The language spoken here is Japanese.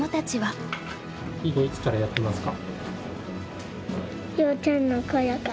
囲碁いつからやってますか？